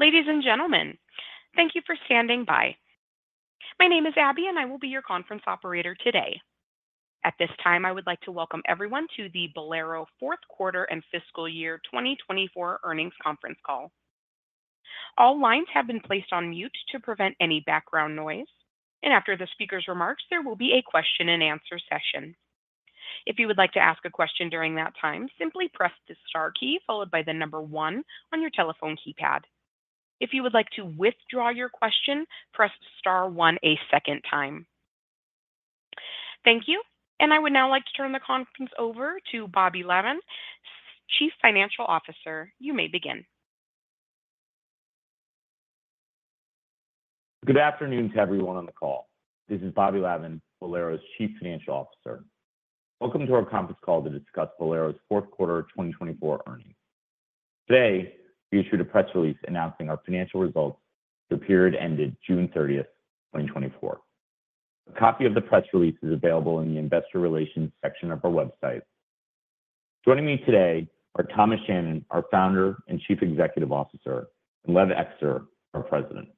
Ladies and gentlemen, thank you for standing by. My name is Abby, and I will be your conference operator today. At this time, I would like to welcome everyone to the Bowlero Q4 and Fiscal Year twenty twenty-four Earnings Conference Call. All lines have been placed on mute to prevent any background noise, and after the speaker's remarks, there will be a question-and-answer session. If you would like to ask a question during that time, simply press the star key followed by the number one on your telephone keypad. If you would like to withdraw your question, press star one a second time. Thank you, and I would now like to turn the conference over to Bobby Lavan, Chief Financial Officer. You may begin. Good afternoon to everyone on the call. This is Bobby Lavan, Bowlero's Chief Financial Officer. Welcome to our conference call to discuss Bowlero's Q4 twenty twenty-four earnings. Today, we issued a press release announcing our financial results for the period ended June thirtieth, twenty twenty-four. A copy of the press release is available in the Investor Relations section of our website. Joining me today are Thomas Shannon, our Founder and Chief Executive Officer, and Lev Ekster, our President.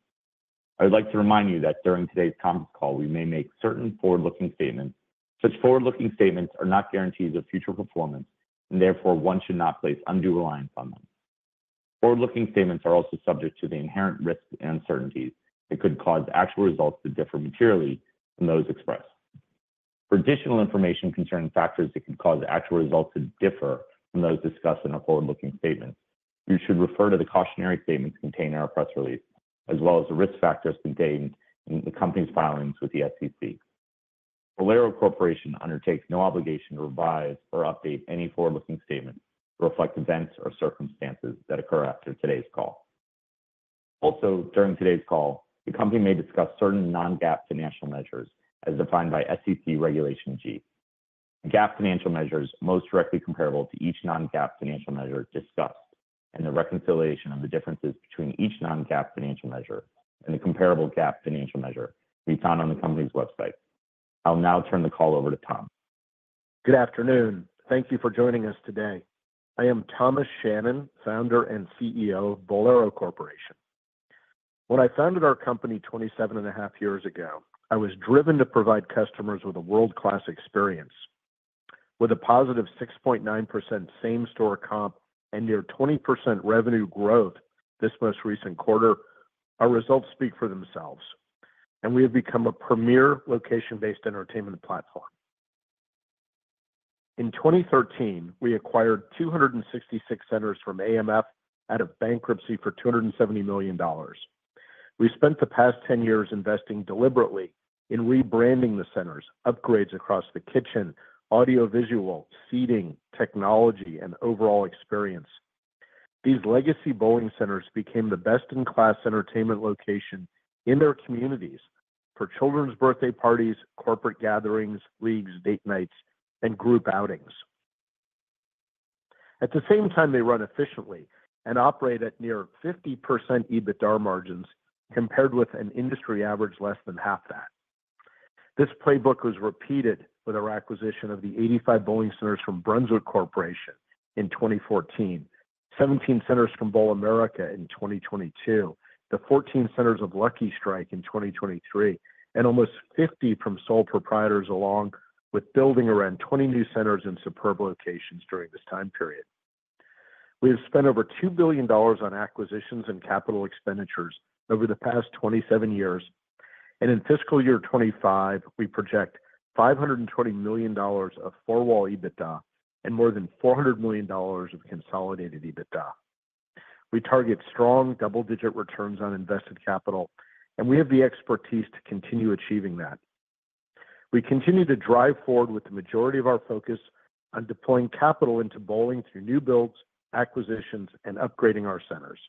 I would like to remind you that during today's conference call, we may make certain forward-looking statements. Such forward-looking statements are not guarantees of future performance, and therefore, one should not place undue reliance on them. Forward-looking statements are also subject to the inherent risks and uncertainties that could cause actual results to differ materially from those expressed. For additional information concerning factors that could cause actual results to differ from those discussed in our forward-looking statements, you should refer to the cautionary statements contained in our press release, as well as the risk factors contained in the company's filings with the SEC. Bowlero Corporation undertakes no obligation to revise or update any forward-looking statement to reflect events or circumstances that occur after today's call. Also, during today's call, the company may discuss certain non-GAAP financial measures as defined by SEC Regulation G. The GAAP financial measure is most directly comparable to each non-GAAP financial measure discussed, and the reconciliation of the differences between each non-GAAP financial measure and the comparable GAAP financial measure may be found on the company's website. I'll now turn the call over to Tom. Good afternoon. Thank you for joining us today. I am Thomas Shannon, Founder and CEO of Bowlero Corporation. When I founded our company 27.5 years ago, I was driven to provide customers with a world-class experience. With a positive 6.9% same-store comp and near 20% revenue growth this most recent quarter, our results speak for themselves, and we have become a premier location-based entertainment platform. In 2013, we acquired 266 centers from AMF out of bankruptcy for $270 million. We spent the past 10 years investing deliberately in rebranding the centers, upgrades across the kitchen, audiovisual, seating, technology, and overall experience. These legacy bowling centers became the best-in-class entertainment location in their communities for children's birthday parties, corporate gatherings, leagues, date nights, and group outings. At the same time, they run efficiently and operate at near 50% EBITDA margins, compared with an industry average less than half that. This playbook was repeated with our acquisition of the 85 bowling centers from Brunswick Corporation in 2014, 17 centers from Bowl America in 2022, the 14 centers of Lucky Strike in 2023, and almost 50 from sole proprietors, along with building around 20 new centers in superb locations during this time period. We have spent over $2 billion on acquisitions and capital expenditures over the past 27 years, and in fiscal year 2025, we project $520 million of four-wall EBITDA and more than $400 million of consolidated EBITDA. We target strong double-digit returns on invested capital, and we have the expertise to continue achieving that. We continue to drive forward with the majority of our focus on deploying capital into bowling through new builds, acquisitions, and upgrading our centers.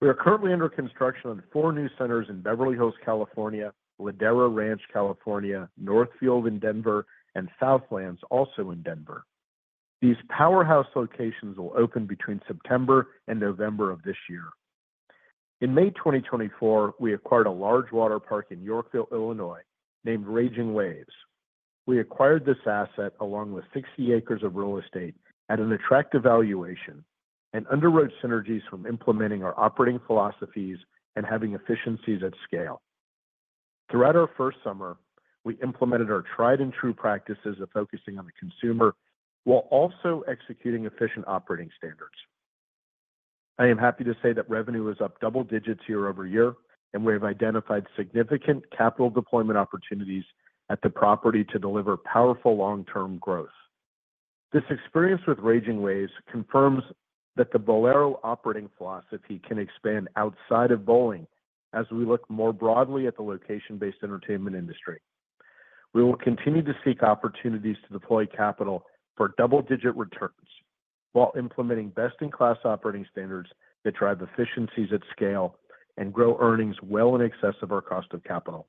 We are currently under construction on four new centers in Beverly Hills, California, Ladera Ranch, California, Northfield in Denver, and Southlands, also in Denver. These powerhouse locations will open between September and November of this year. In May 2024, we acquired a large water park in Yorkville, Illinois, named Raging Waves. We acquired this asset, along with 60 acres of real estate, at an attractive valuation and underwrote synergies from implementing our operating philosophies and having efficiencies at scale. Throughout our first summer, we implemented our tried-and-true practices of focusing on the consumer while also executing efficient operating standards. I am happy to say that revenue is up double digits year over year, and we have identified significant capital deployment opportunities at the property to deliver powerful long-term growth. This experience with Raging Waves confirms that the Bowlero operating philosophy can expand outside of bowling as we look more broadly at the location-based entertainment industry. We will continue to seek opportunities to deploy capital for double-digit returns while implementing best-in-class operating standards that drive efficiencies at scale and grow earnings well in excess of our cost of capital.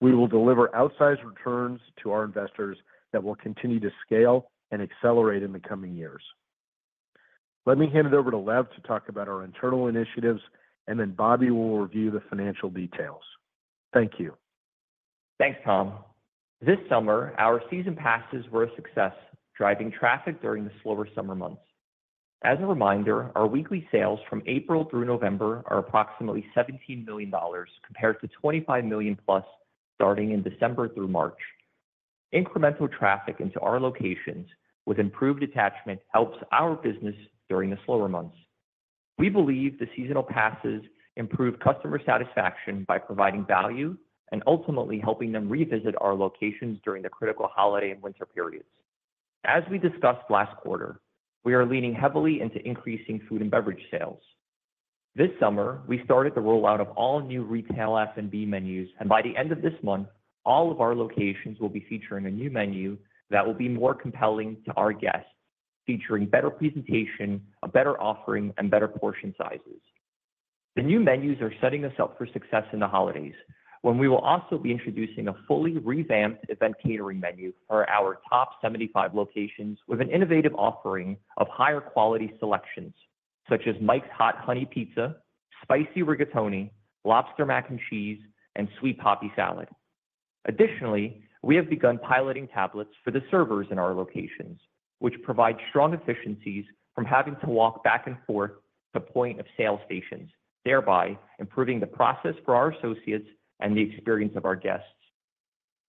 We will deliver outsized returns to our investors that will continue to scale and accelerate in the coming years. Let me hand it over to Lev to talk about our internal initiatives, and then Bobby will review the financial details. Thank you.... Thanks, Tom. This summer, our season passes were a success, driving traffic during the slower summer months. As a reminder, our weekly sales from April through November are approximately $17 million, compared to $25 million plus starting in December through March. Incremental traffic into our locations with improved attachment helps our business during the slower months. We believe the seasonal passes improve customer satisfaction by providing value and ultimately helping them revisit our locations during the critical holiday and winter periods. As we discussed last quarter, we are leaning heavily into increasing food and beverage sales. This summer, we started the rollout of all new retail F&B menus, and by the end of this month, all of our locations will be featuring a new menu that will be more compelling to our guests, featuring better presentation, a better offering, and better portion sizes. The new menus are setting us up for success in the holidays, when we will also be introducing a fully revamped event catering menu for our top 75 locations, with an innovative offering of higher quality selections, such as Mike's Hot Honey Pizza, Spicy Rigatoni, Lobster Mac and Cheese, and Sweet Poppy Salad. Additionally, we have begun piloting tablets for the servers in our locations, which provide strong efficiencies from having to walk back and forth to point-of-sale stations, thereby improving the process for our associates and the experience of our guests.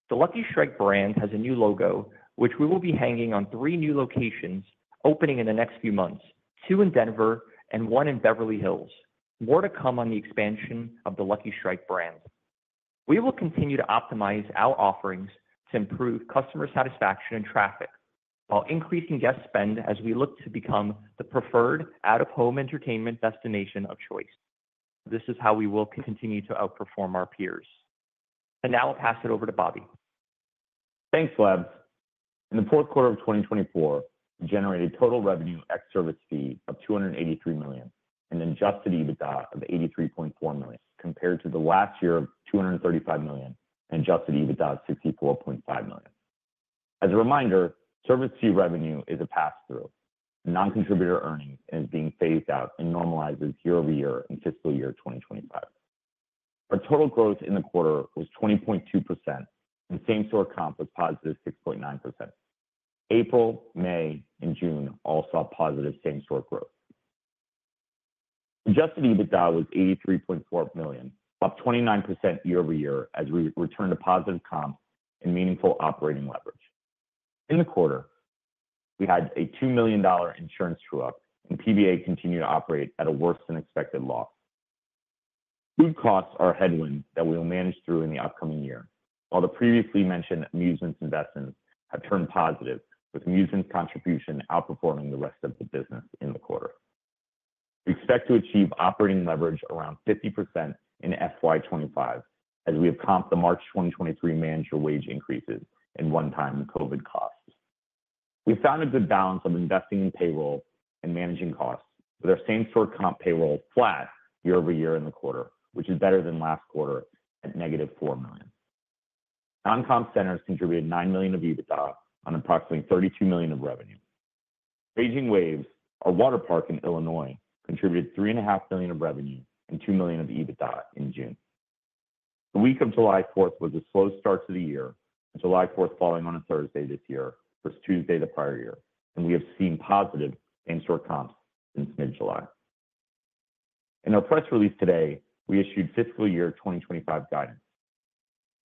The Lucky Strike brand has a new logo, which we will be hanging on three new locations opening in the next few months: two in Denver and one in Beverly Hills. More to come on the expansion of the Lucky Strike brand. We will continue to optimize our offerings to improve customer satisfaction and traffic, while increasing guest spend as we look to become the preferred out-of-home entertainment destination of choice. This is how we will continue to outperform our peers, and now I'll pass it over to Bobby. Thanks, Lev. In the of 2024, we generated total revenue ex service fee of $283 million, and adjusted EBITDA of $83.4 million, compared to the last year of $235 million and adjusted EBITDA of $64.5 million. As a reminder, service fee revenue is a pass-through. Non-contributor earnings is being phased out and normalizes year over year in fiscal year 2025. Our total growth in the quarter was 20.2%, and same-store comp was positive 6.9%. April, May, and June all saw positive same-store growth. Adjusted EBITDA was $83.4 million, up 29% year over year as we returned to positive comp and meaningful operating leverage. In the quarter, we had a $2 million insurance true-up, and PBA continued to operate at a worse-than-expected loss. Food costs are a headwind that we will manage through in the upcoming year, while the previously mentioned amusements investments have turned positive, with amusements contribution outperforming the rest of the business in the quarter. We expect to achieve operating leverage around 50% in FY 2025, as we have comped the March 2023 managerial wage increases and one-time COVID costs. We found a good balance of investing in payroll and managing costs, with our same-store comp payroll flat year over year in the quarter, which is better than last quarter at -$4 million. Non-comp centers contributed $9 million of EBITDA on approximately $32 million of revenue. Raging Waves, our water park in Illinois, contributed $3.5 million of revenue and $2 million of EBITDA in June. The week of July Fourth was a slow start to the year, and July Fourth falling on a Thursday this year, was Tuesday the prior year, and we have seen positive same-store comps since mid-July. In our press release today, we issued fiscal year 2025 guidance.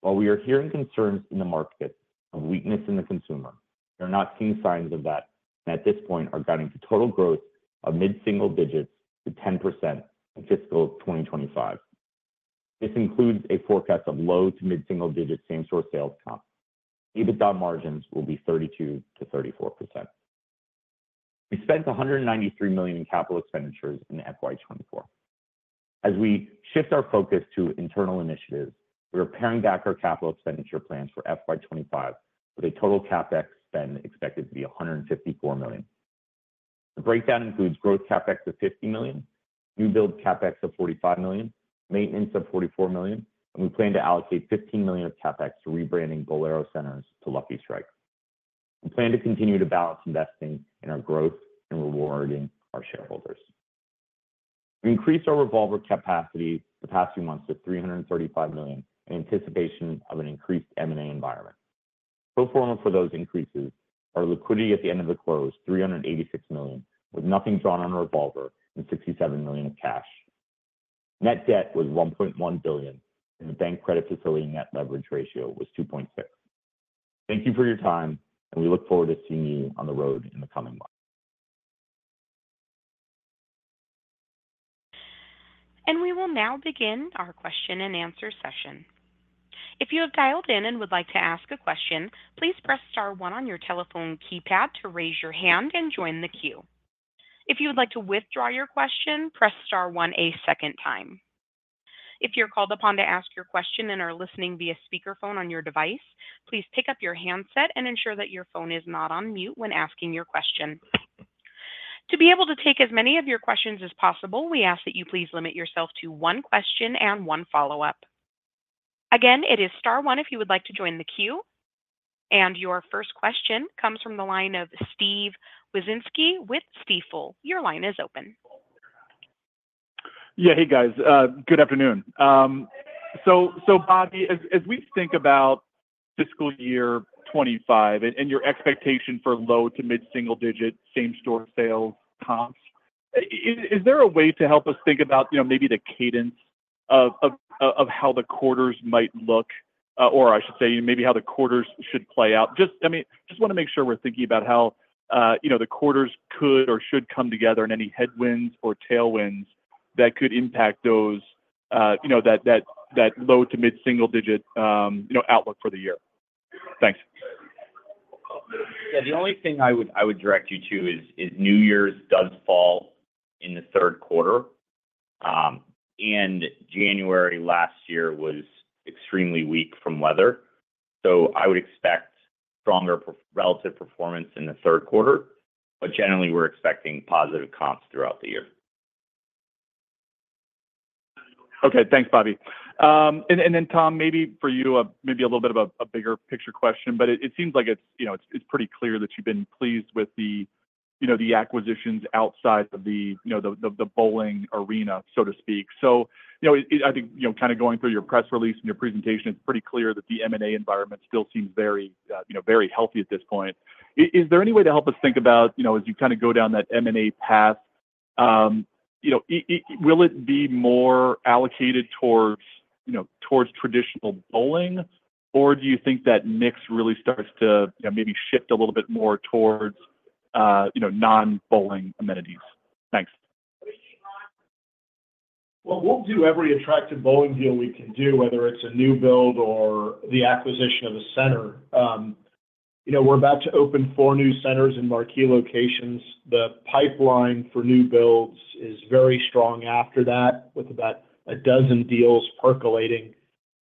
While we are hearing concerns in the market of weakness in the consumer, we are not seeing signs of that, and at this point are guiding to total growth of mid-single digits to 10% in fiscal 2025. This includes a forecast of low to mid-single digit same-store sales comp. EBITDA margins will be 32%-34%. We spent $193 million in capital expenditures in FY 2024. As we shift our focus to internal initiatives, we are paring back our capital expenditure plans for FY 2025, with a total CapEx spend expected to be $154 million. The breakdown includes growth CapEx of $50 million, new build CapEx of $45 million, maintenance of $44 million, and we plan to allocate $15 million of CapEx to rebranding Bowlero centers to Lucky Strike. We plan to continue to balance investing in our growth and rewarding our shareholders. We increased our revolver capacity the past few months to $335 million in anticipation of an increased M&A environment. Pro forma for those increases, our liquidity at the end of the close, $386 million, with nothing drawn on the revolver and $67 million of cash. Net debt was $1.1 billion, and the bank credit facility net leverage ratio was 2.6. Thank you for your time, and we look forward to seeing you on the road in the coming months. We will now begin our question-and-answer session. If you have dialed in and would like to ask a question, please press star one on your telephone keypad to raise your hand and join the queue. If you would like to withdraw your question, press star one a second time. If you're called upon to ask your question and are listening via speakerphone on your device, please pick up your handset and ensure that your phone is not on mute when asking your question. To be able to take as many of your questions as possible, we ask that you please limit yourself to one question and one follow-up. Again, it is star one if you would like to join the queue, and your first question comes from the line of Steven Wieczynski with Stifel. Your line is open. ... Yeah. Hey, guys, good afternoon. So, Bobby, as we think about fiscal year twenty-five and your expectation for low to mid-single digit same-store sales comps, is there a way to help us think about, you know, maybe the cadence of how the quarters might look, or I should say, maybe how the quarters should play out? Just, I mean, just wanna make sure we're thinking about how, you know, the quarters could or should come together, and any headwinds or tailwinds that could impact those, you know, that low to mid-single digit outlook for the year. Thanks. Yeah, the only thing I would direct you to is New Year's does fall in the third quarter. And January last year was extremely weak from weather. So I would expect stronger relative performance in the third quarter, but generally, we're expecting positive comps throughout the year. Okay. Thanks, Bobby. And then, Tom, maybe for you, maybe a little bit of a bigger picture question, but it seems like it's, you know, pretty clear that you've been pleased with the, you know, the acquisitions outside of the, you know, the bowling arena, so to speak. So, you know, I think, you know, kinda going through your press release and your presentation, it's pretty clear that the M&A environment still seems very, you know, very healthy at this point. Is there any way to help us think about, you know, as you kinda go down that M&A path, you know, will it be more allocated towards, you know, towards traditional bowling? Or do you think that mix really starts to, you know, maybe shift a little bit more towards, you know, non-bowling amenities? Thanks. We'll do every attractive bowling deal we can do, whether it's a new build or the acquisition of a center. You know, we're about to open four new centers in marquee locations. The pipeline for new builds is very strong after that, with about a dozen deals percolating,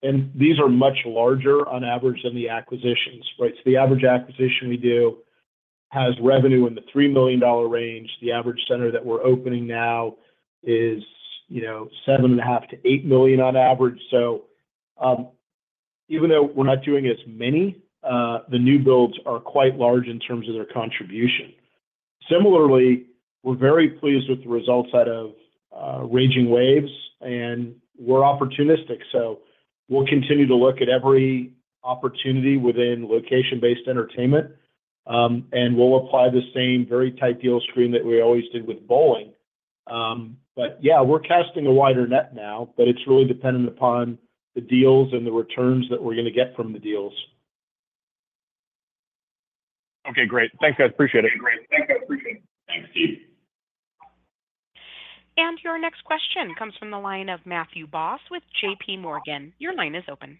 and these are much larger on average than the acquisitions, right? So the average acquisition we do has revenue in the $3 million range. The average center that we're opening now is, you know, $7.5-$8 million on average. So, even though we're not doing as many, the new builds are quite large in terms of their contribution. Similarly, we're very pleased with the results out of Raging Waves, and we're opportunistic, so we'll continue to look at every opportunity within location-based entertainment. And we'll apply the same very tight deal stream that we always did with bowling. But yeah, we're casting a wider net now, but it's really dependent upon the deals and the returns that we're gonna get from the deals. Okay, great. Thanks, guys. Appreciate it. Okay, great. Thanks, guys. Appreciate it. Thanks, Steve. And your next question comes from the line of Matthew Boss with J.P. Morgan. Your line is open.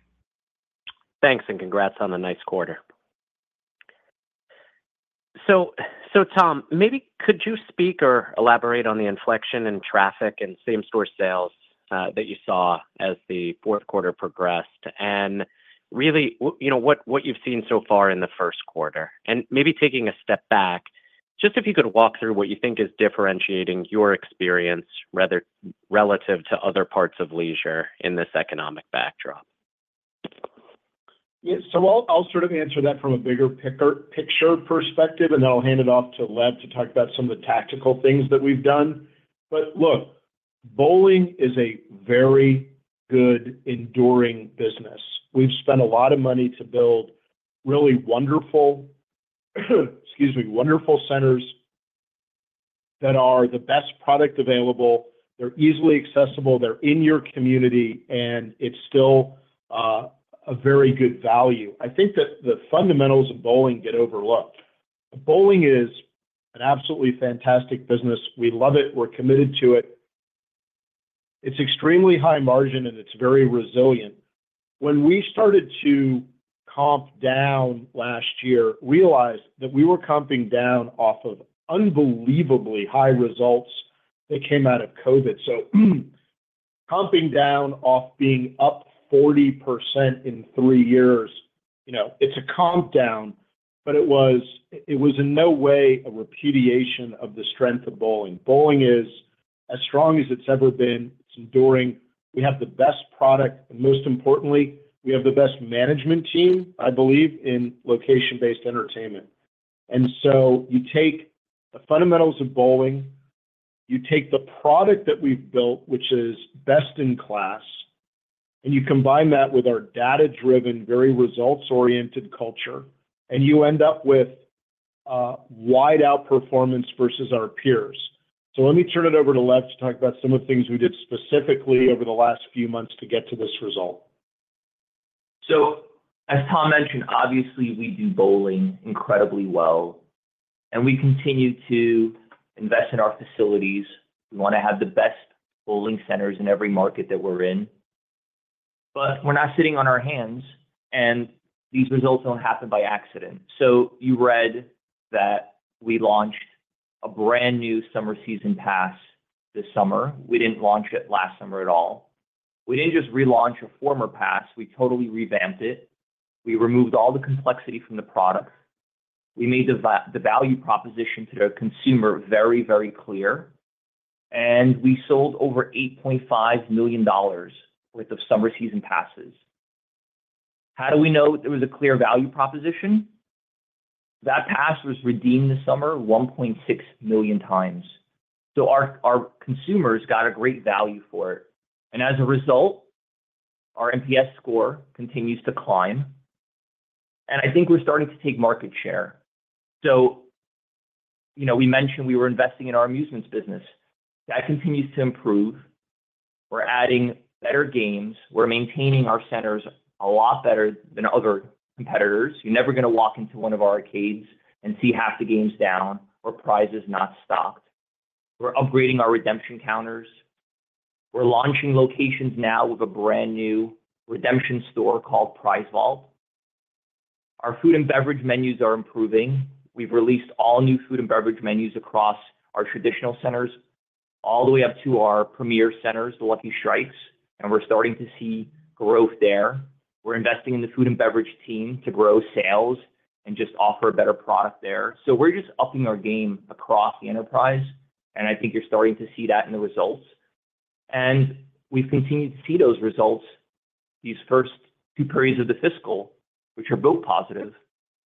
Thanks, and congrats on the nice quarter. So, Tom, maybe could you speak or elaborate on the inflection in traffic and same-store sales that you saw as the fourth quarter progressed? And really, you know, what you've seen so far in the first quarter. And maybe taking a step back, just if you could walk through what you think is differentiating your experience rather relative to other parts of leisure in this economic backdrop. Yeah. So I'll sort of answer that from a bigger picture perspective, and then I'll hand it off to Lev to talk about some of the tactical things that we've done. But look, bowling is a very good, enduring business. We've spent a lot of money to build really wonderful, excuse me, wonderful centers that are the best product available. They're easily accessible, they're in your community, and it's still a very good value. I think that the fundamentals of bowling get overlooked. Bowling is an absolutely fantastic business. We love it. We're committed to it. It's extremely high margin, and it's very resilient. When we started to comp down last year, realize that we were comping down off of unbelievably high results that came out of COVID. So comping down off being up 40% in three years, you know, it's a comp down, but it was in no way a repudiation of the strength of bowling. Bowling is as strong as it's ever been. It's enduring. We have the best product, and most importantly, we have the best management team, I believe, in location-based entertainment. And so you take the fundamentals of bowling, you take the product that we've built, which is best-in-class, and you combine that with our data-driven, very results-oriented culture, and you end up with wide outperformance versus our peers. So let me turn it over to Lev to talk about some of the things we did specifically over the last few months to get to this result. As Tom mentioned, obviously, we do bowling incredibly well, and we continue to invest in our facilities. We wanna have the best bowling centers in every market that we're in, but we're not sitting on our hands, and these results don't happen by accident. You read that we launched a brand-new summer Season Pass this summer. We didn't launch it last summer at all. We didn't just relaunch a former pass, we totally revamped it. We removed all the complexity from the product. We made the value proposition to the consumer very, very clear, and we sold over $8.5 million worth of summer Season Passes. How do we know there was a clear value proposition? That pass was redeemed this summer 1.6 million times. So our consumers got a great value for it, and as a result, our NPS score continues to climb, and I think we're starting to take market share. So, you know, we mentioned we were investing in our amusements business. That continues to improve. We're adding better games. We're maintaining our centers a lot better than other competitors. You're never gonna walk into one of our arcades and see half the games down or prizes not stocked. We're upgrading our redemption counters. We're launching locations now with a brand-new redemption store called Prize Vault. Our food and beverage menus are improving. We've released all new food and beverage menus across our traditional centers, all the way up to our premier centers, the Lucky Strikes, and we're starting to see growth there. We're investing in the food and beverage team to grow sales and just offer a better product there. We're just upping our game across the enterprise, and I think you're starting to see that in the results. We've continued to see those results these first two periods of the fiscal, which are both positive.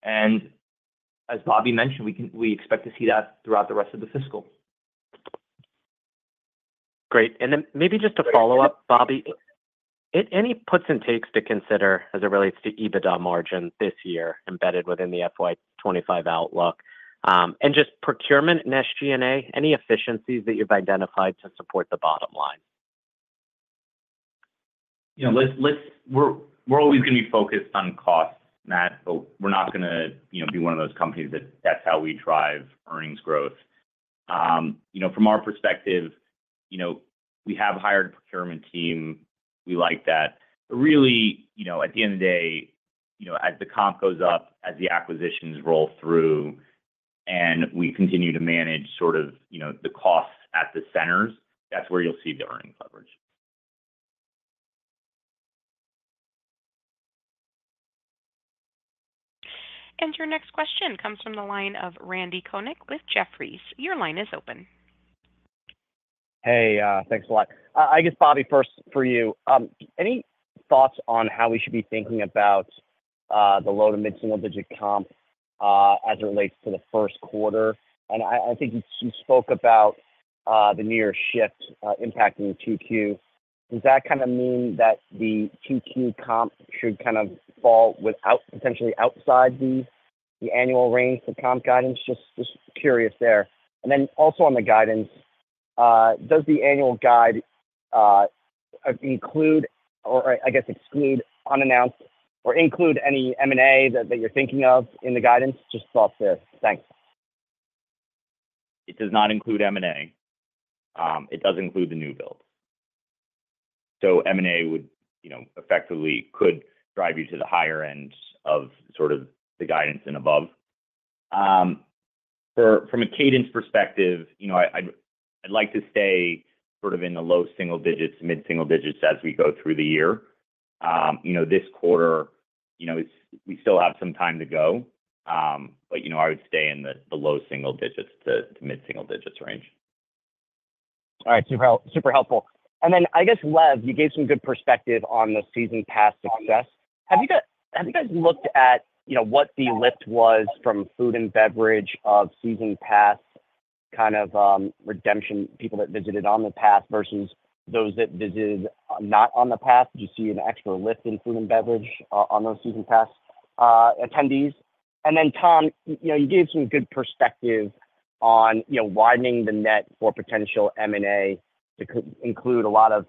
As Bobby mentioned, we expect to see that throughout the rest of the fiscal. Great. And then maybe just a follow-up, Bobby. Any puts and takes to consider as it relates to EBITDA margin this year, embedded within the FY 2025 outlook? And just procurement and SG&A, any efficiencies that you've identified to support the bottom line? You know, let's... We're always gonna be focused on costs, Matt, but we're not gonna, you know, be one of those companies that that's how we drive earnings growth. You know, from our perspective, you know, we have hired a procurement team. We like that. But really, you know, at the end of the day, you know, as the comp goes up, as the acquisitions roll through, and we continue to manage sort of, you know, the costs at the centers, that's where you'll see the earning leverage. And your next question comes from the line of Randy Konik with Jefferies. Your line is open. Hey, thanks a lot. I guess Bobby, first for you, any thoughts on how we should be thinking about the low- to mid-single-digit comp as it relates to the first quarter? And I think you spoke about the near shift impacting the 2Q. Does that kind of mean that the 2Q comp should kind of fall without potentially outside the annual range for comp guidance? Just curious there. And then also on the guidance, does the annual guide include, or I guess exclude unannounced or include any M&A that you're thinking of in the guidance? Just thought there. Thanks. It does not include M&A. It does include the new builds. So M&A would, you know, effectively could drive you to the higher end of sort of the guidance and above. From a cadence perspective, you know, I'd like to stay sort of in the low single digits, mid-single digits as we go through the year. You know, this quarter, we still have some time to go, but you know, I would stay in the low single digits to mid-single-digits range. All right. Super helpful. And then I guess, Lev, you gave some good perspective on the season pass success. Have you guys looked at, you know, what the lift was from food and beverage of season pass, kind of, redemption, people that visited on the pass versus those that visited not on the pass? Did you see an extra lift in food and beverage on those season pass attendees? And then, Tom, you know, you gave some good perspective on, you know, widening the net for potential M&A that could include a lot of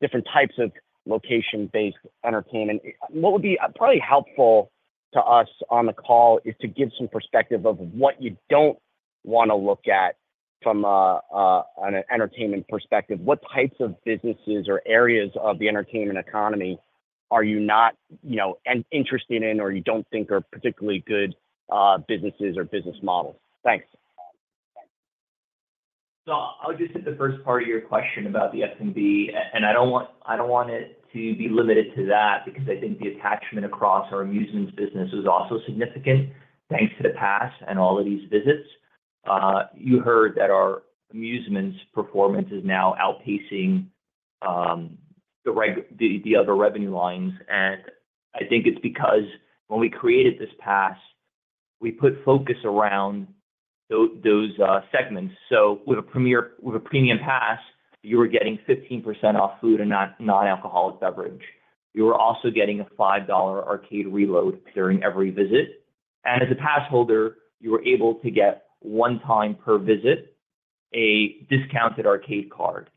different types of location-based entertainment. What would be probably helpful to us on the call is to give some perspective of what you don't want to look at from an entertainment perspective. What types of businesses or areas of the entertainment economy are you not, you know, interested in or you don't think are particularly good businesses or business models? Thanks. So I'll just hit the first part of your question about the F&B, and I don't want it to be limited to that because I think the attachment across our amusements business is also significant, thanks to the pass and all of these visits. You heard that our amusements performance is now outpacing the other revenue lines, and I think it's because when we created this pass, we put focus around those segments. So with a premium pass, you were getting 15% off food and non-alcoholic beverage. You were also getting a $5 arcade reload during every visit. And as a pass holder, you were able to get, one time per visit, a discounted arcade card.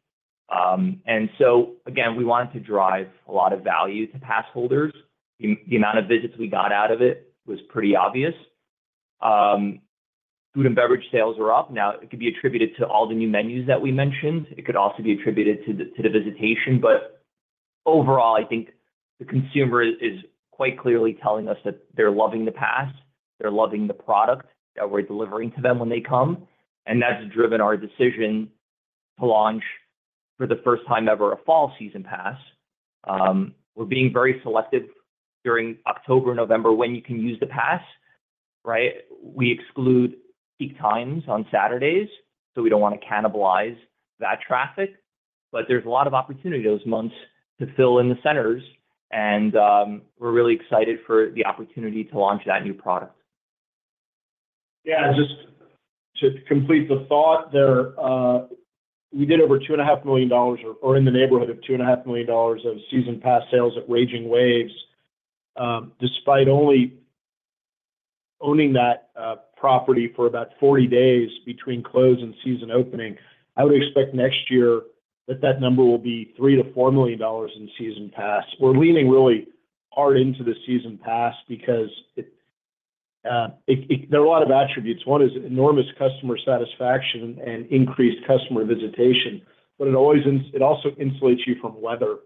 And so again, we wanted to drive a lot of value to pass holders. The amount of visits we got out of it was pretty obvious. Food and beverage sales were up. Now, it could be attributed to all the new menus that we mentioned. It could also be attributed to the visitation, but overall, I think the consumer is quite clearly telling us that they're loving the pass, they're loving the product that we're delivering to them when they come, and that's driven our decision to launch, for the first time ever, a fall season pass. We're being very selective during October, November, when you can use the pass. Right? We exclude peak times on Saturdays, so we don't want to cannibalize that traffic. But there's a lot of opportunity those months to fill in the centers, and we're really excited for the opportunity to launch that new product. Yeah, just to complete the thought there, we did over $2.5 million in the neighborhood of $2.5 million of season pass sales at Raging Waves, despite only owning that property for about 40 days between close and season opening. I would expect next year that that number will be $3-$4 million in season pass. We're leaning really hard into the season pass because it there are a lot of attributes. One is enormous customer satisfaction and increased customer visitation, but it always it also insulates you from weather,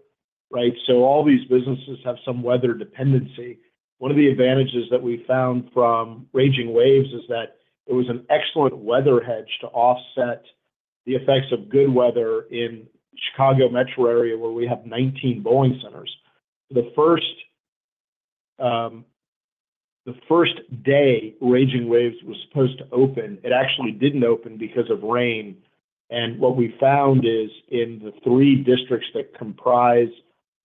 right? So all these businesses have some weather dependency. One of the advantages that we found from Raging Waves is that it was an excellent weather hedge to offset the effects of good weather in Chicago metro area, where we have nineteen bowling centers. The first day Raging Waves was supposed to open, it actually didn't open because of rain, and what we found is in the three districts that comprise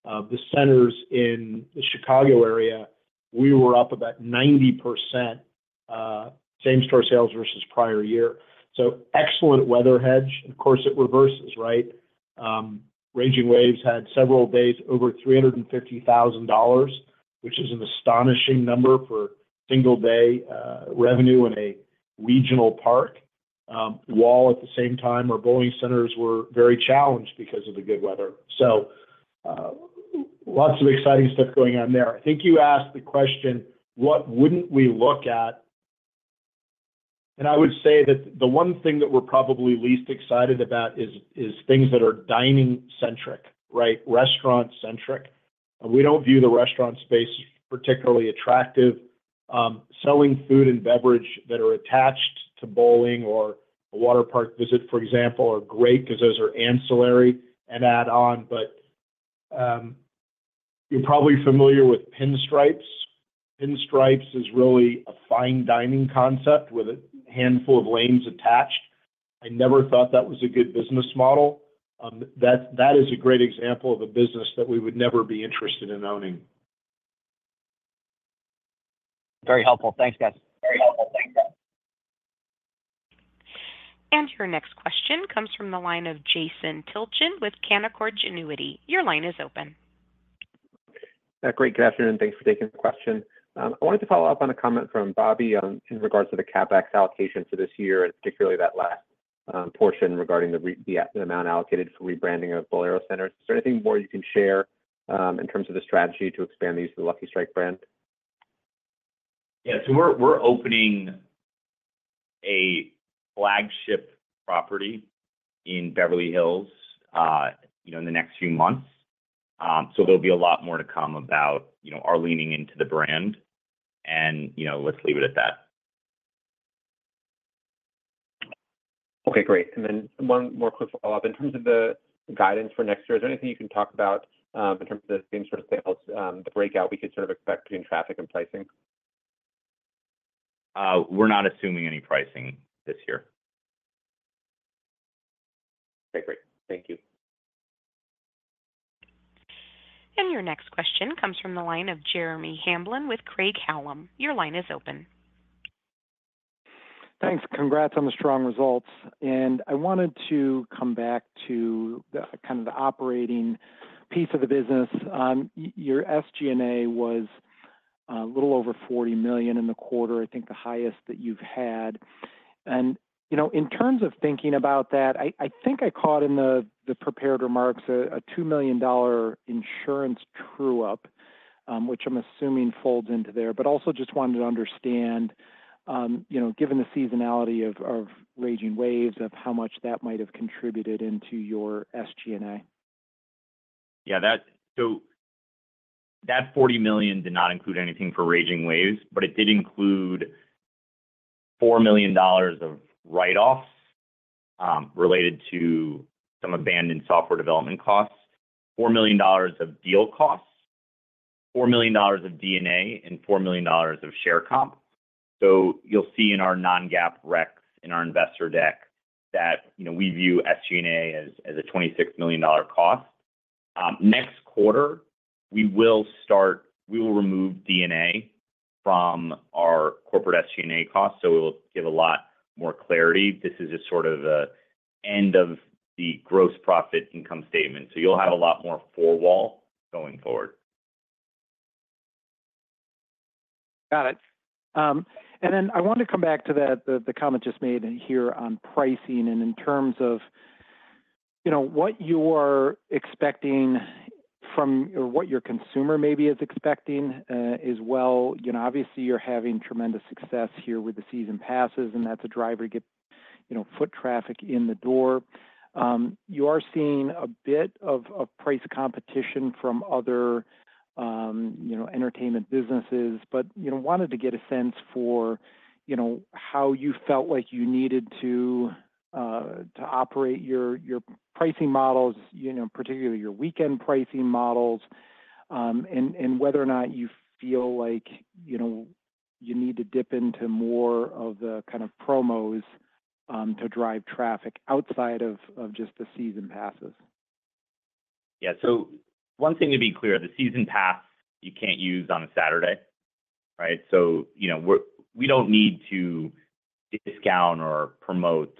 the centers in the Chicago area, we were up about 90% same-store sales versus prior year. So excellent weather hedge. Of course, it reverses, right? Raging Waves had several days, over $350,000, which is an astonishing number for a single day revenue in a regional park. While at the same time, our bowling centers were very challenged because of the good weather. So, lots of exciting stuff going on there. I think you asked the question, what wouldn't we look at? And I would say that the one thing that we're probably least excited about is things that are dining-centric, right? Restaurant-centric. We don't view the restaurant space particularly attractive. Selling food and beverage that are attached to bowling or a water park visit, for example, are great because those are ancillary and add-on. But, you're probably familiar with Pinstripes. Pinstripes is really a fine dining concept with a handful of lanes attached. I never thought that was a good business model. That is a great example of a business that we would never be interested in owning. Very helpful. Thanks, guys. Very helpful. Thanks, guys. Your next question comes from the line of Jason Tilchen with Canaccord Genuity. Your line is open. Great. Good afternoon. Thanks for taking the question. I wanted to follow up on a comment from Bobby on, in regards to the CapEx allocation for this year, and particularly that last portion regarding the amount allocated for rebranding of Bowlero centers. Is there anything more you can share, in terms of the strategy to expand these to the Lucky Strike brand? Yeah. So we're opening a flagship property in Beverly Hills, you know, in the next few months. So there'll be a lot more to come about, you know, our leaning into the brand and, you know, let's leave it at that. Okay, great. And then one more quick follow-up. In terms of the guidance for next year, is there anything you can talk about, in terms of the same store sales, the breakout we could sort of expect between traffic and pricing? We're not assuming any pricing this year. Okay, great. Thank you. Your next question comes from the line of Jeremy Hamblin with Craig-Hallum. Your line is open. Thanks. Congrats on the strong results, and I wanted to come back to the kind of the operating piece of the business. Your SG&A was a little over $40 million in the quarter, I think the highest that you've had. And you know, in terms of thinking about that, I think I caught in the prepared remarks a $2 million insurance true-up, which I'm assuming folds into there, but also just wanted to understand, you know, given the seasonality of Raging Waves, of how much that might have contributed into your SG&A. Yeah, that. So that $40 million did not include anything for Raging Waves, but it did include $4 million of write-offs related to some abandoned software development costs, $4 million of deal costs, $4 million of D&A, and $4 million of share comp. So you'll see in our non-GAAP rec in our investor deck that, you know, we view SG&A as a $26 million cost. Next quarter, we will remove D&A from our corporate SG&A costs, so it will give a lot more clarity. This is just sort of the end of the gross profit income statement, so you'll have a lot more four-wall going forward. Got it. And then I wanted to come back to the comment just made in here on pricing and in terms of, you know, what you're expecting from or what your consumer maybe is expecting, as well. You know, obviously, you're having tremendous success here with the season passes, and that's a driver to get, you know, foot traffic in the door. You are seeing a bit of price competition from other, you know, entertainment businesses, but, you know, wanted to get a sense for, you know, how you felt like you needed to operate your pricing models, you know, particularly your weekend pricing models.... and whether or not you feel like, you know, you need to dip into more of the kind of promos, to drive traffic outside of just the season passes? Yeah. So one thing to be clear, the season pass you can't use on a Saturday, right? So, you know, we're. We don't need to discount or promote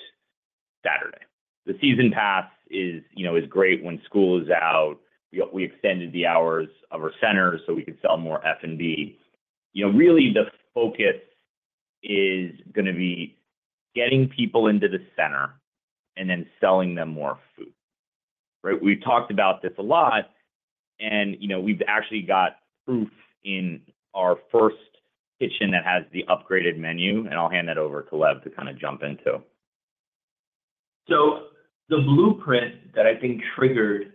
Saturday. The season pass is, you know, is great when school is out. We extended the hours of our centers so we could sell more F&B. You know, really, the focus is gonna be getting people into the center and then selling them more food, right? We've talked about this a lot, and, you know, we've actually got proof in our first kitchen that has the upgraded menu, and I'll hand that over to Lev to kind of jump into. The blueprint that I think triggered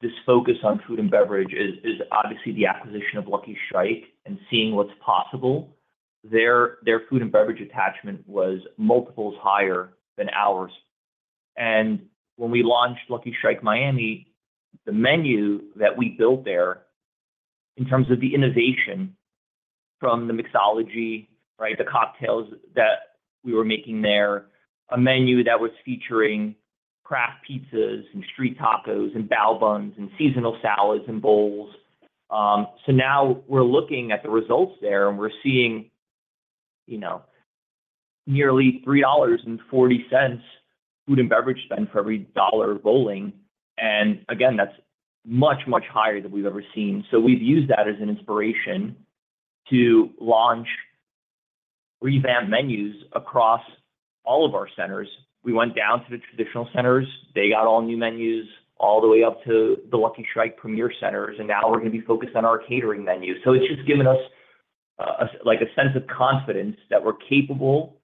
this focus on food and beverage is obviously the acquisition of Lucky Strike and seeing what's possible. Their food and beverage attachment was multiples higher than ours. And when we launched Lucky Strike Miami, the menu that we built there, in terms of the innovation from the mixology, right, the cocktails that we were making there, a menu that was featuring craft pizzas and street tacos and bao buns and seasonal salads and bowls. So now we're looking at the results there, and we're seeing, you know, nearly $3.40 food and beverage spend for every dollar bowling. And again, that's much, much higher than we've ever seen. So we've used that as an inspiration to launch revamped menus across all of our centers. We went down to the traditional centers. They got all-new menus, all the way up to the Lucky Strike Premier centers, and now we're gonna be focused on our catering menu. So it's just given us, like, a sense of confidence that we're capable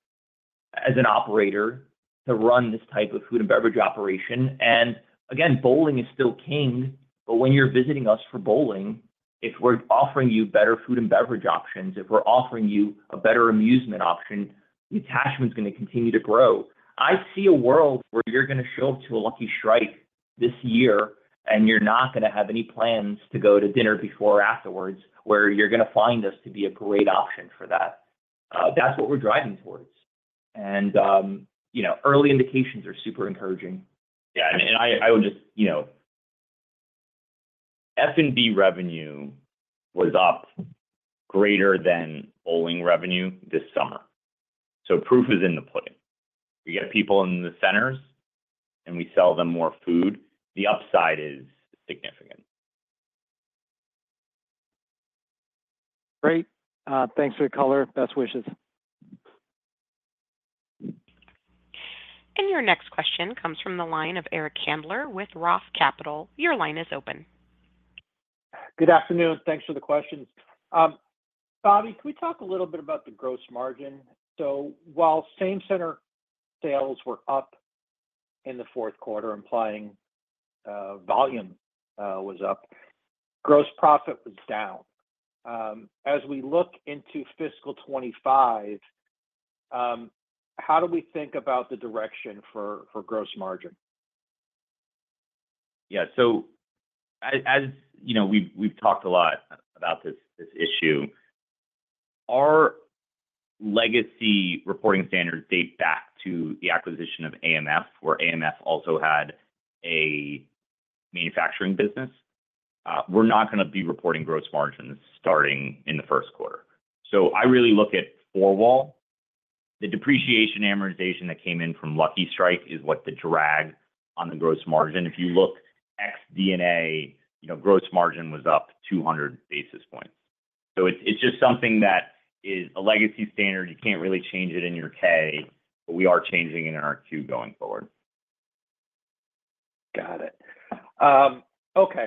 as an operator to run this type of food and beverage operation. And again, bowling is still king, but when you're visiting us for bowling, if we're offering you better food and beverage options, if we're offering you a better amusement option, the attachment's gonna continue to grow. I see a world where you're gonna show up to a Lucky Strike this year, and you're not gonna have any plans to go to dinner before or afterwards, where you're gonna find us to be a great option for that. That's what we're driving towards. And, you know, early indications are super encouraging. Yeah, and I would just... You know, F&B revenue was up greater than bowling revenue this summer. So proof is in the pudding. We get people in the centers, and we sell them more food. The upside is significant. Great. Thanks for the color. Best wishes. And your next question comes from the line of Eric Handler with Roth Capital. Your line is open. Good afternoon. Thanks for the questions. Bobby, can we talk a little bit about the gross margin? So while same-center sales were up in the fourth quarter, implying volume was up, gross profit was down. As we look into fiscal twenty-five, how do we think about the direction for gross margin? Yeah. So as you know, we've talked a lot about this issue. Our legacy reporting standards date back to the acquisition of AMF, where AMF also had a manufacturing business. We're not gonna be reporting gross margins starting in the first quarter. So I really look at four wall. The depreciation amortization that came in from Lucky Strike is what the drag on the gross margin. If you look ex D&A, you know, gross margin was up two hundred basis points. So it's just something that is a legacy standard. You can't really change it in your K, but we are changing it in our two going forward. Got it. Okay.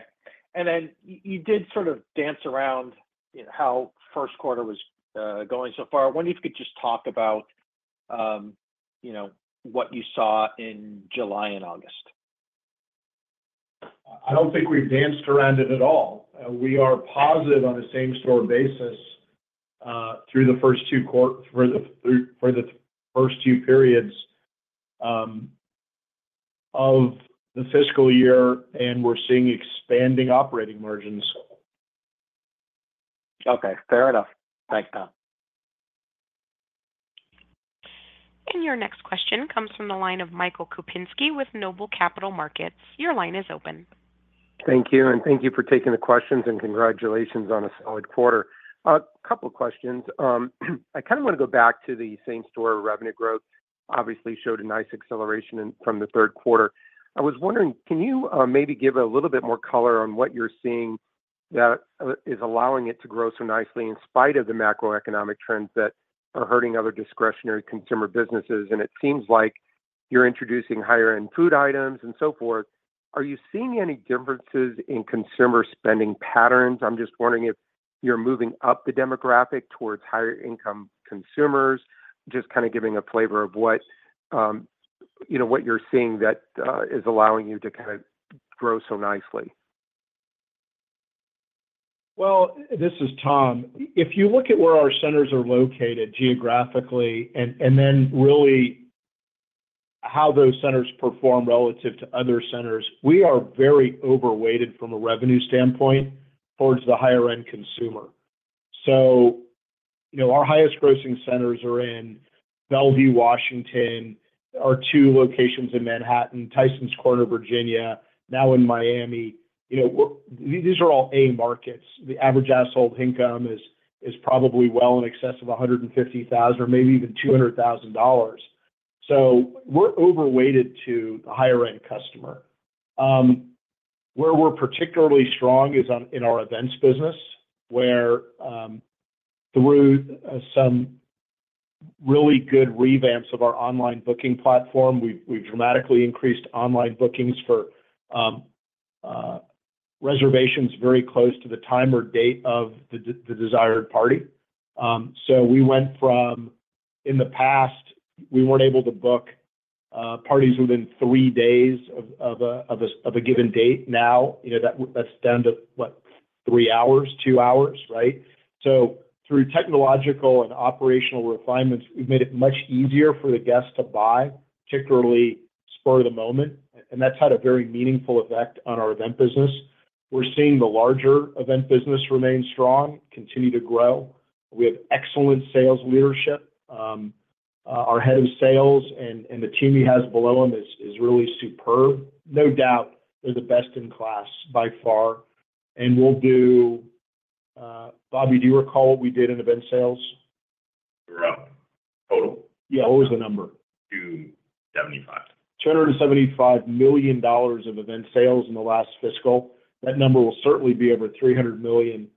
And then you did sort of dance around, you know, how first quarter was going so far. Wonder if you could just talk about, you know, what you saw in July and August? I don't think we've danced around it at all. We are positive on a same-store basis through the first two periods of the fiscal year, and we're seeing expanding operating margins. Okay, fair enough. Thanks, Tom. Your next question comes from the line of Michael Kupinski with Noble Capital Markets. Your line is open. Thank you, and thank you for taking the questions, and congratulations on a solid quarter. A couple questions. I kind of want to go back to the same-store revenue growth. Obviously showed a nice acceleration from the Q3. I was wondering, can you maybe give a little bit more color on what you're seeing that is allowing it to grow so nicely in spite of the macroeconomic trends that are hurting other discretionary consumer businesses? And it seems like you're introducing higher-end food items and so forth. Are you seeing any differences in consumer spending patterns? I'm just wondering if you're moving up the demographic towards higher-income consumers. Just kind of giving a flavor of what, you know, what you're seeing that is allowing you to kind of grow so nicely. This is Tom. If you look at where our centers are located geographically and then really how those centers perform relative to other centers, we are very overweighted from a revenue standpoint towards the higher end consumer. So, you know, our highest grossing centers are in Bellevue, Washington, our two locations in Manhattan, Tysons Corner, Virginia, now in Miami. You know, we're these are all A markets. The average household income is probably well in excess of a hundred and fifty thousand or maybe even two hundred thousand dollars. So we're overweighted to the higher end customer. Where we're particularly strong is in our events business, where through some really good revamps of our online booking platform, we've dramatically increased online bookings for reservations very close to the time or date of the desired party. So we went from, in the past, we weren't able to book parties within three days of a given date. Now, you know, that's down to, what, three hours? Two hours, right? So through technological and operational refinements, we've made it much easier for the guests to buy, particularly spur of the moment, and that's had a very meaningful effect on our event business. We're seeing the larger event business remain strong, continue to grow. We have excellent sales leadership. Our head of sales and the team he has below him is really superb. No doubt, they're the best in class by far, and we'll do... Bobby, do you recall what we did in event sales? We're up, total? Yeah. What was the number? Two seventy-five. $275 million of event sales in the last fiscal year. That number will certainly be over $300 million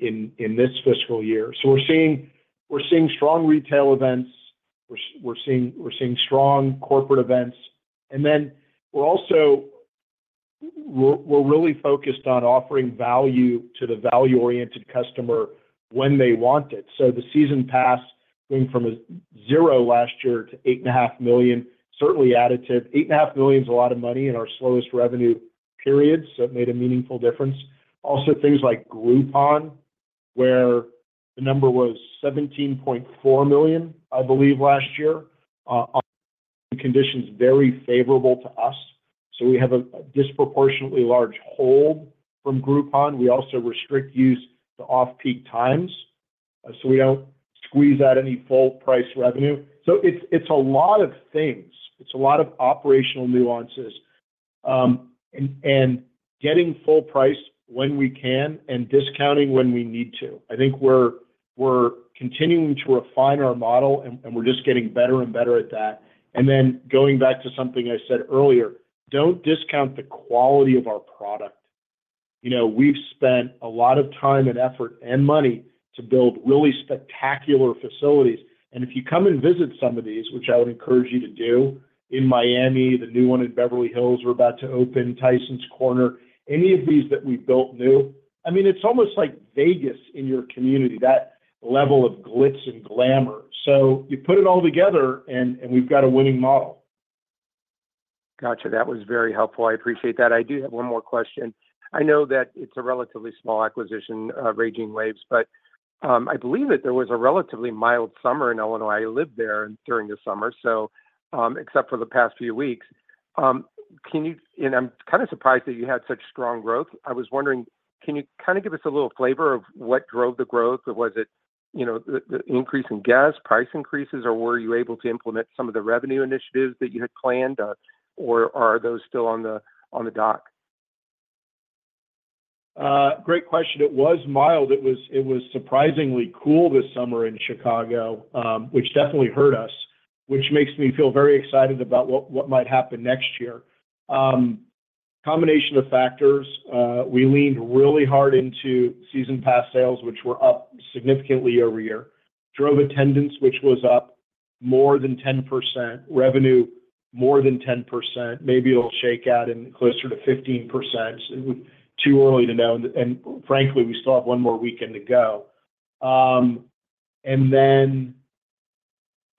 in this fiscal year. So we're seeing strong retail events. We're seeing strong corporate events, and then we're also really focused on offering value to the value-oriented customer when they want it. So the season pass going from a zero last year to $8.5 million certainly added to... $8.5 million is a lot of money in our slowest revenue periods, so it made a meaningful difference. Also, things like Groupon, where the number was $17.4 million, I believe, last year. Conditions very favorable to us, so we have a disproportionately large hold from Groupon. We also restrict use to off-peak times, so we don't squeeze out any full price revenue. So it's, it's a lot of things. It's a lot of operational nuances, and getting full price when we can and discounting when we need to. I think we're continuing to refine our model, and we're just getting better and better at that. And then, going back to something I said earlier, don't discount the quality of our product. You know, we've spent a lot of time and effort and money to build really spectacular facilities, and if you come and visit some of these, which I would encourage you to do, in Miami, the new one in Beverly Hills, we're about to open Tysons Corner, any of these that we've built new, I mean, it's almost like Vegas in your community, that level of glitz and glamour. So you put it all together and we've got a winning model. Gotcha. That was very helpful. I appreciate that. I do have one more question. I know that it's a relatively small acquisition, Raging Waves, but, I believe that there was a relatively mild summer in Illinois. I lived there during the summer, so, except for the past few weeks. Can you-- and I'm kind of surprised that you had such strong growth. I was wondering, can you kind of give us a little flavor of what drove the growth? Or was it, you know, the, the increase in gas price increases, or were you able to implement some of the revenue initiatives that you had planned, or are those still on the, on the dock? Great question. It was mild. It was surprisingly cool this summer in Chicago, which definitely hurt us, which makes me feel very excited about what might happen next year. Combination of factors, we leaned really hard into season pass sales, which were up significantly over year, drove attendance, which was up more than 10%, revenue more than 10%. Maybe it'll shake out in closer to 15%. It's too early to know, and frankly, we still have one more weekend to go. And then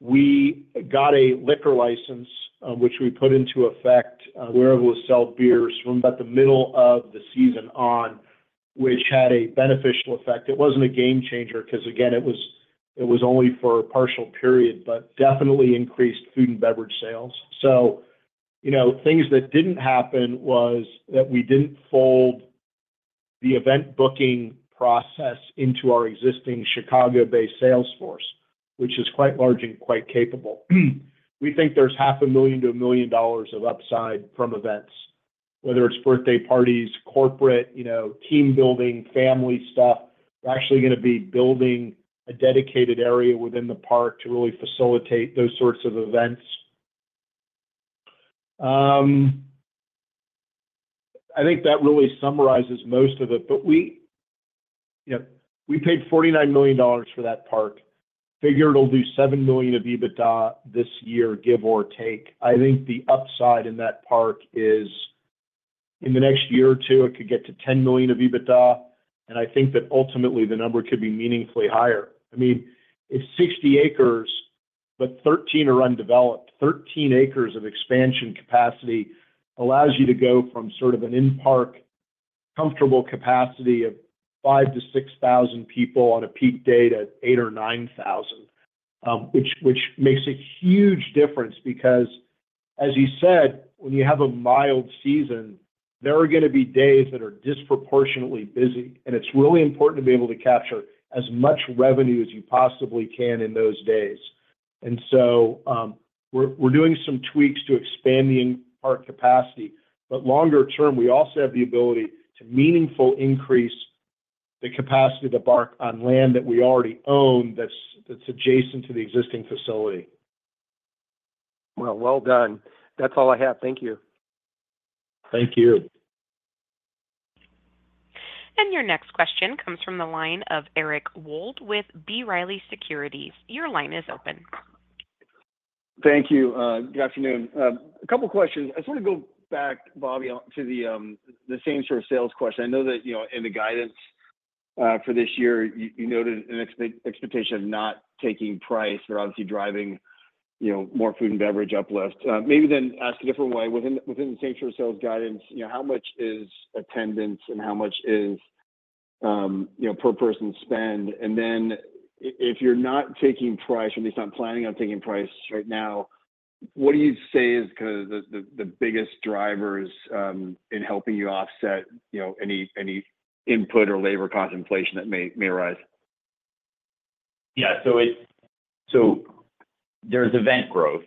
we got a liquor license, which we put into effect, where we'll sell beers from about the middle of the season on, which had a beneficial effect. It wasn't a game changer, 'cause again, it was only for a partial period, but definitely increased food and beverage sales. You know, things that didn't happen was that we didn't fold the event booking process into our existing Chicago-based sales force, which is quite large and quite capable. We think there's $500,000-$1 million of upside from events, whether it's birthday parties, corporate, you know, team building, family stuff. We're actually gonna be building a dedicated area within the park to really facilitate those sorts of events. I think that really summarizes most of it, but we, you know, we paid $49 million for that park. Figure it'll do $7 million of EBITDA this year, give or take. I think the upside in that park is, in the next year or two, it could get to $10 million of EBITDA, and I think that ultimately the number could be meaningfully higher. I mean, it's 60 acres, but 13 are undeveloped. 13 acres of expansion capacity allows you to go from sort of an in-park-... comfortable capacity of five to six thousand people on a peak day to eight or nine thousand. Which makes a huge difference because, as you said, when you have a mild season, there are gonna be days that are disproportionately busy, and it's really important to be able to capture as much revenue as you possibly can in those days. And so, we're doing some tweaks to expand the park capacity, but longer term, we also have the ability to meaningful increase the capacity of the park on land that we already own, that's adjacent to the existing facility. Well done. That's all I have. Thank you. Thank you. And your next question comes from the line of Eric Wold with B. Riley Securities. Your line is open. Thank you. Good afternoon. A couple questions. I just wanna go back, Bobby, on to the same sort of sales question. I know that, you know, in the guidance for this year, you noted an expectation of not taking price or obviously driving, you know, more food and beverage uplift. Maybe ask a different way, within the same sort of sales guidance, you know, how much is attendance and how much is, you know, per person spend? And then if you're not taking price, at least not planning on taking price right now, what do you say is kind of the biggest drivers in helping you offset, you know, any input or labor cost inflation that may arise? Yeah, so there's event growth.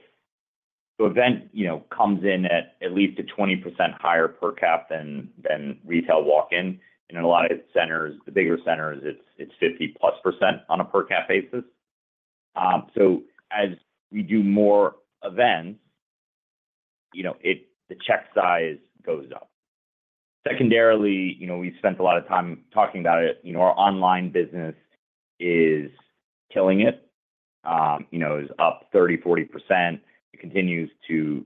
So event, you know, comes in at least 20% higher per cap than retail walk-in, and in a lot of centers, the bigger centers, it's 50% plus on a per cap basis. So as we do more events, you know, it, the check size goes up. Secondarily, you know, we've spent a lot of time talking about it. You know, our online business is killing it. You know, it's up 30%-40%. It continues to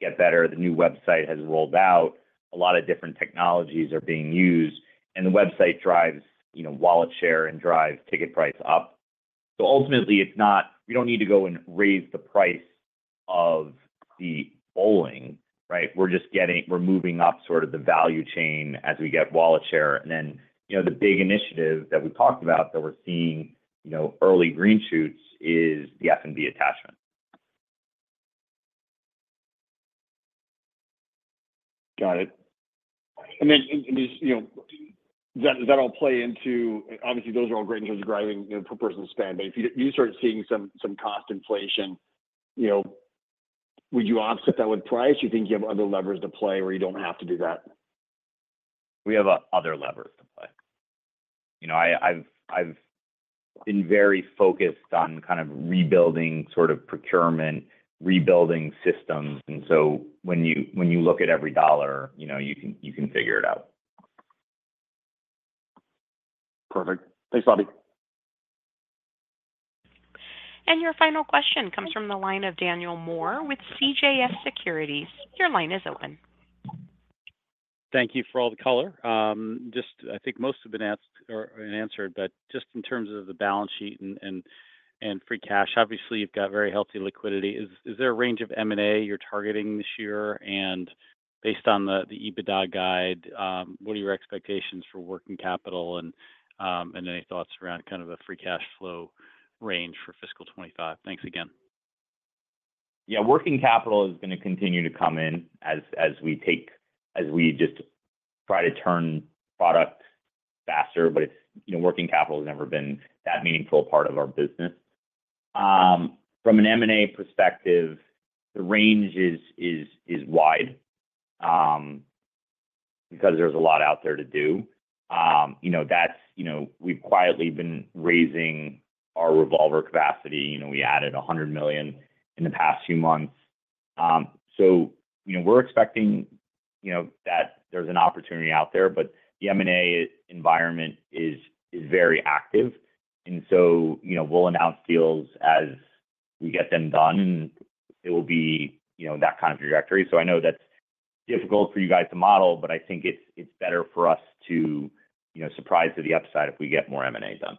get better. The new website has rolled out. A lot of different technologies are being used, and the website drives, you know, wallet share and drives ticket price up. So ultimately, it's not, we don't need to go and raise the price of the bowling, right? We're moving up sort of the value chain as we get wallet share, and then, you know, the big initiative that we talked about that we're seeing, you know, early green shoots is the F&B attachment. Got it. And then, you know, does that all play into... Obviously, those are all great in terms of driving, you know, per person spend, but if you start seeing some cost inflation, you know, would you offset that with price, or you think you have other levers to play where you don't have to do that? We have other levers to play. You know, I've been very focused on kind of rebuilding, sort of procurement, rebuilding systems, and so when you look at every dollar, you know, you can figure it out. Perfect. Thanks, Bobby. And your final question comes from the line of Daniel Moore with CJS Securities. Your line is open. Thank you for all the color. Just I think most have been asked or answered, but just in terms of the balance sheet and free cash, obviously you've got very healthy liquidity. Is there a range of M&A you're targeting this year? And based on the EBITDA guide, what are your expectations for working capital and any thoughts around kind of a free cash flow range for fiscal 2025? Thanks again. Yeah, working capital is gonna continue to come in as we just try to turn product faster. But it's, you know, working capital has never been that meaningful part of our business. From an M&A perspective, the range is wide, because there's a lot out there to do. You know, that's, you know, we've quietly been raising our revolver capacity. You know, we added $100 million in the past few months. So, you know, we're expecting, you know, that there's an opportunity out there, but the M&A environment is very active. And so, you know, we'll announce deals as we get them done, and it will be, you know, that kind of trajectory. So I know that's difficult for you guys to model, but I think it's better for us to, you know, surprise to the upside if we get more M&A done.